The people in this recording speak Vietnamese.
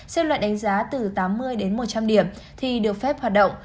xếp loại đánh giá từ tám mươi đến một trăm linh điểm thì được phép hoạt động